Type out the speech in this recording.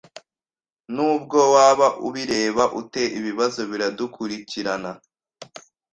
Nubwo waba ubireba ute, ibibazo biradukurikirana.